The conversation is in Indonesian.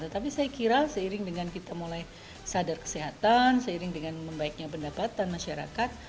tetapi saya kira seiring dengan kita mulai sadar kesehatan seiring dengan membaiknya pendapatan masyarakat